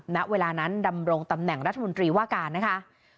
ณเวลานั้นดำรงตำแหน่งรัฐมนตรีว่าการนะคะ